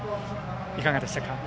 いかがでしたか。